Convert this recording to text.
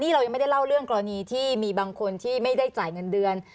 เรายังไม่ได้เล่าเรื่องกรณีที่มีบางคนที่ไม่ได้จ่ายเงินเดือน